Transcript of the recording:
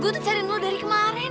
ayu gue tuh cariin lo dari kemarin